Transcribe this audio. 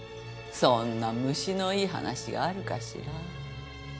そんな虫のいい話があるかしら。